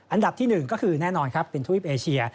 อันดับที่๑ก็คือแน่นอนครับเป็นทวีปเอเชีย